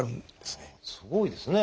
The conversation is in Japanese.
すごいですね。